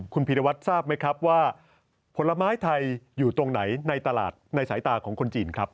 คุณพีรวัตรทราบไหมครับว่าผลไม้ไทยอยู่ตรงไหนในตลาดในสายตาของคนจีนครับ